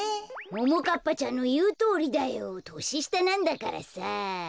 ももかっぱちゃんのいうとおりだよ。とししたなんだからさ。